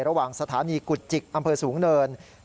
ระหว่างสถานีกุจจิกอำเภอสูงเนิน